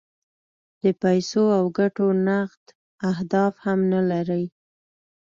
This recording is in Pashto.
د پیسو او ګټو نغد اهداف هم نه لري.